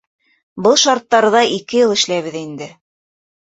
— Был шарттарҙа ике йыл эшләйбеҙ инде.